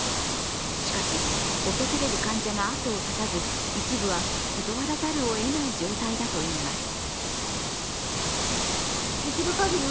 しかし訪れる患者が後を絶たず一部は断らざるを得ない状態だといいます。